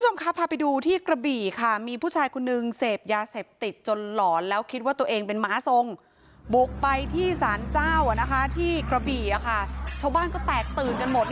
คุณผู้ชมครับพาไปดูที่กระบี่ค่ะมีผู้ชายคนนึงเสพยาเสพติดจนหลอนแล้วคิดว่าตัวเองเป็นม้าทรงบุกไปที่สารเจ้าที่กระบี่ชาวบ้านก็แตกตื่นกันหมด